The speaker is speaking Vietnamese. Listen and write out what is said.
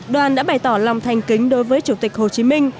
đoàn đã bày tỏ lòng thành kính đối với chủ tịch hồ chí minh